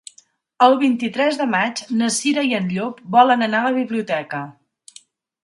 El vint-i-tres de maig na Cira i en Llop volen anar a la biblioteca.